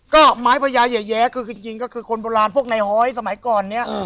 ก็ไม้พญาแย้คือจริงก็คือคนโบราณพวกในฮ้อยสมัยก่อนเนี่ย